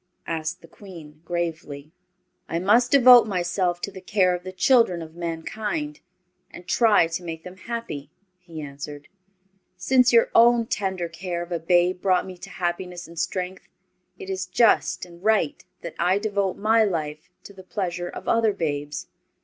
asked the Queen, gravely. "I must devote myself to the care of the children of mankind, and try to make them happy," he answered. "Since your own tender care of a babe brought to me happiness and strength, it is just and right that I devote my life to the pleasure of other babes.